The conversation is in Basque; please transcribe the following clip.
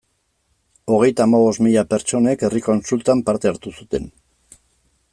Hogeita hamabost mila pertsonek herri kontsultan parte hartu zuten.